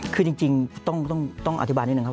คือจริงต้องอธิบายนิดนึงครับ